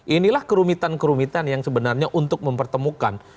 inilah kerumitan kerumitan yang sebenarnya untuk mempertemukan